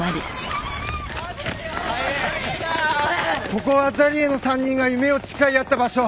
ここはＡＺＡＬＥＡの３人が夢を誓い合った場所。